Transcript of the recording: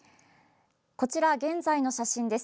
こちら、現在の写真です。